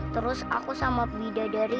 terus aku sama bidadari